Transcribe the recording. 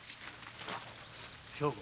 兵庫